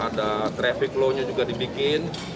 ada traffic law nya juga dibikin